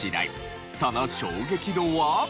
その衝撃度は？